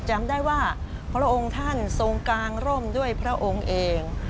จำได้ว่าพระองค์ท่านทรงกางร่มด้วยพระองค์เอง